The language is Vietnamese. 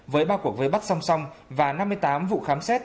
với ba cuộc vây bắt song song và năm mươi tám vụ khám xét